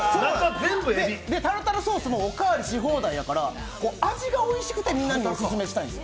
タルタルソースもお代わりし放題やから、味がおいしくてみんなにオススメしたいんですよ。